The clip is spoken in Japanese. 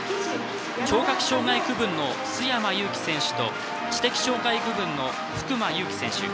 聴覚障害区分の須山勇希選手と知的障害区分の福間釉絆選手。